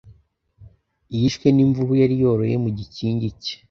yishwe n’imvubu yari yoroye mu gikingi cye